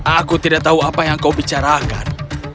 aku tidak tahu apa yang kau bicarakan